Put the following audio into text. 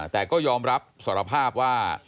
แต่ก็ยอมรับสารภาพว่า